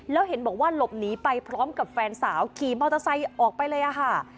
แล้วเห็นบอกว่าหลบหนีไปพร้อมกับแฟนสาวขี่มอเตอร์ไซค์ออกไปเลยค่ะ